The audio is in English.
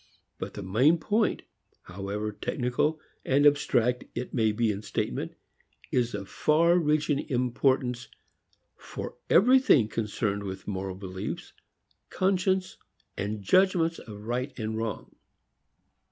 But the main point, however technical and abstract it may be in statement, is of far reaching importance for everything concerned with moral beliefs, conscience and judgments of right and wrong.